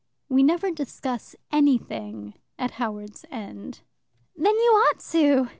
We never discuss anything at Howards End." "Then you ought to!"